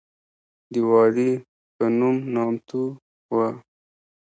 د وادي پنوم نامتو وه.